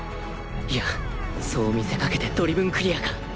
いやそう見せかけてドリブンクリアーか？